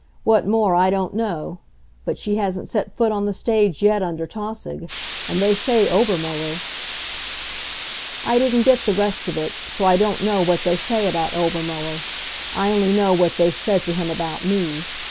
What more I don't know. But she hasn't set foot on the stage yet under Tausig, and they say Obermuller " I didn't get the rest of it, so I don't know what they say about Obermuller. I only know what they've said to him about me.